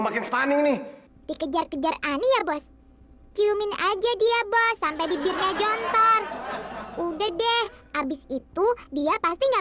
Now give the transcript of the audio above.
kejar kejar ani ya bos ciumin aja dia bos sampai bibirnya jontor udah deh abis itu dia pasti nggak